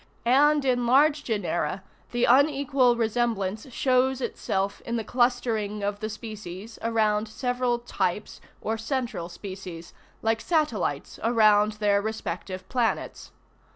And in large genera the unequal resemblance shows itself in the clustering of the species around several types or central species, like satellites around their respective planets.